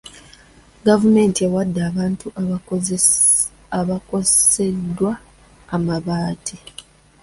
Gavumenti ewadde abantu abaakoseddwa amabaati.